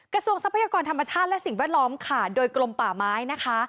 ทรัพยากรธรรมชาติและสิ่งแวดล้อมค่ะโดยกลมป่าไม้นะคะ